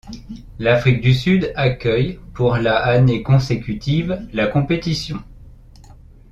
L'Afrique du Sud accueille pour la année consécutive la compétition.